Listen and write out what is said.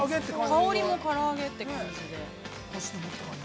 ◆香りもから揚げって感じで。